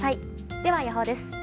では予報です。